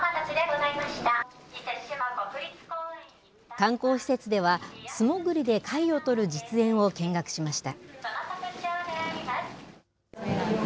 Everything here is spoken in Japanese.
観光施設では、素潜りで貝を取る実演を見学しました。